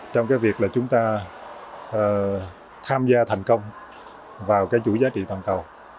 trong cái việc là chúng ta tham gia thành công vào cái chuỗi giá trị toàn cầu